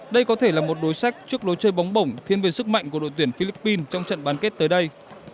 đây có thể là một đối sách trước lối chơi bóng bổng thiên về sức mạnh của đội tuyển philippines trong trận bán kết tới đây